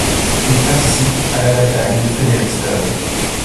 Il participe à la bataille de Fredericksburg.